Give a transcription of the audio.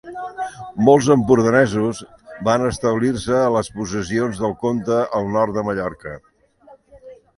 Molts empordanesos van establir-se a les possessions del comte al nord de Mallorca.